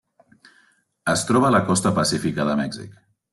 Es troba a la costa pacífica de Mèxic.